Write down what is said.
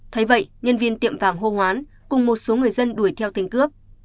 thấy vậy nhân viên tiệm vàng hô hoán cùng một số người dân đuổi theo tên cướp